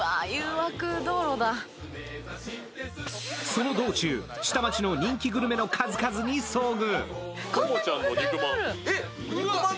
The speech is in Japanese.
その道中、下町の人気グルメの数々に遭遇。